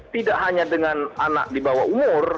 tidak hanya dengan anak di bawah umur